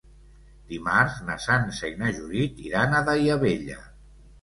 Dimarts na Sança i na Judit iran a Daia Vella.